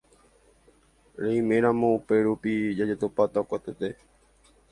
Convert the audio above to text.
Reiméramo upérupi jajotopáta katuete.